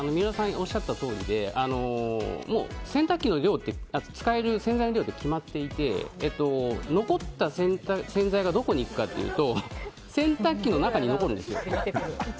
おっしゃったとおりで洗濯機で使える洗剤の量って決まっていて残った洗剤がどこにいくかというと洗濯機の中に残るんですよ。